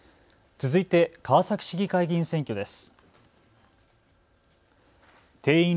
続いて、川崎市議会議員選挙です。